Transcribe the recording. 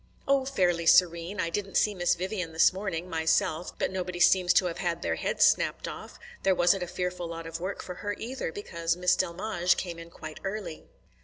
"Oh, fairly serene. I didn't see Miss Vivian this morning, myself, but nobody seems to have had their heads snapped off. There wasn't a fearful lot of work for her, either, because Miss Delmege came in quite early."